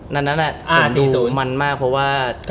นั่นผมดูมันมากเพราะว่า